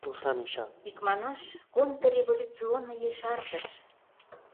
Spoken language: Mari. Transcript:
Икманаш, контрреволюционный ешартыш.